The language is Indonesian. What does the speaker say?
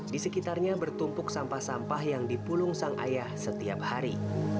di sekitarnya bertumpuk sampah sampah yang dipulung sang ayah setiap hari